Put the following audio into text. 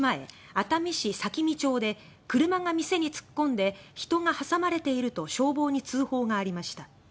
熱海市咲見町で「車が店に突っ込んで人が挟まれている」と消防に通報がありました。